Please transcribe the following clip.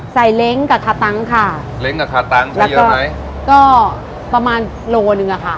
เล้งกับคาตังค่ะเล้งกับคาตังค์ใช้เยอะไหมก็ประมาณโลหนึ่งอ่ะค่ะ